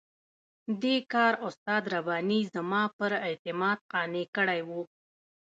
دې کار استاد رباني زما پر اعتماد قانع کړی وو.